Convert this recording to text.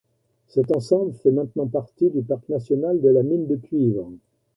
Cet ensemble fait maintenant partie du Parc national de la mine de cuivre.